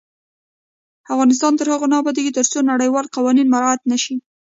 افغانستان تر هغو نه ابادیږي، ترڅو نړیوال قوانین مراعت نشي.